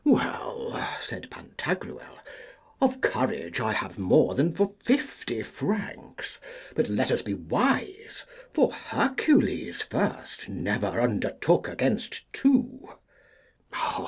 Well, said Pantagruel, of courage I have more than for fifty francs, but let us be wise, for Hercules first never undertook against two.